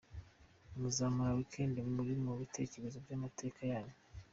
Muzamara weekend muri mu bitekerezo by’amateka yanyu.